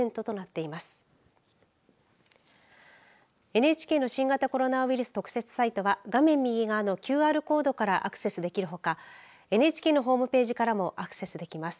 ＮＨＫの新型コロナウイルス特設サイトは画面右側のＱＲコードからアクセスできるほかＮＨＫのホームページからもアクセスできます。